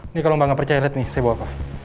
ini kalau mbak gak percaya lihat nih saya bawa pak